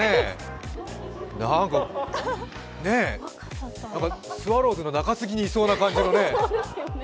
なんかスワローズの中継ぎにいそうなね。